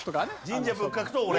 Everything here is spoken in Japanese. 神社仏閣と俺。